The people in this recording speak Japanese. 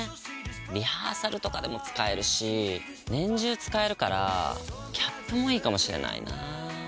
リハーサルとかでも使えるし年中使えるからキャップもいいかもしれないな。